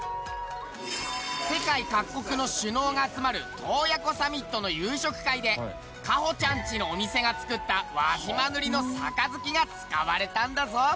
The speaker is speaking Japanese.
世界各国の首脳が集まる洞爺湖サミットの夕食会で花歩ちゃんちのお店が作った輪島塗の盃が使われたんだぞ！